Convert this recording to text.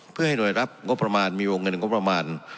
เพื่อให้หน่วยรับงบประมาณมีวงเงินงบประมาณ